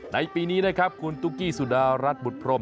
ในปีนี้นะครับคุณตุ๊กกี้สุดารัฐบุตรพรม